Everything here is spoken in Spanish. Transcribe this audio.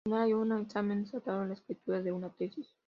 Al final hay un examen estatal o la escritura de una tesis.